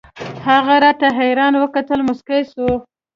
هغه راته حيران وكتل موسكى سو.